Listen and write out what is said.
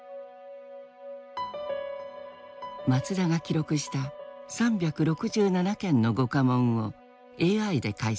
松田が記録した３６７件の御下問をＡＩで解析。